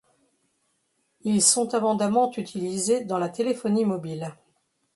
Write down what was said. Ils sont abondamment utilisés dans la téléphonie mobile.